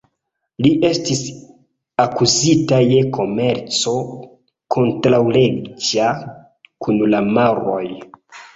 Li estis akuzita je komerco kontraŭleĝa kun la maŭroj.